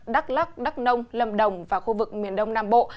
đắk lắc đắk nông lâm đồng và khu vực miền đông nam bộ